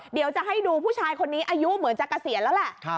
เดี๋ยวจะให้ดูผู้ชายคนนี้อายุเหมือนจะเกษียณแล้วแหละ